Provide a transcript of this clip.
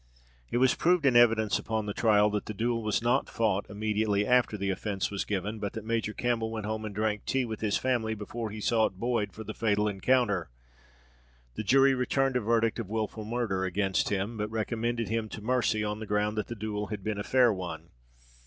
It was proved in evidence upon the trial, that the duel was not fought immediately after the offence was given, but that Major Campbell went home and drank tea with his family before he sought Boyd for the fatal encounter. The jury returned a verdict of wilful murder against him, but recommended him to mercy on the ground that the duel had been a fair one.